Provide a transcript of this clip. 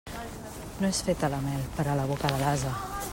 No és feta la mel per a la boca de l'ase.